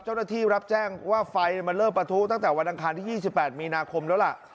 เจ้าหน้าที่รับแจ้งว่าไฟมันเริ่มประทุตั้งแต่วันอังคารที่๒๘มีนาคมแล้วล่ะ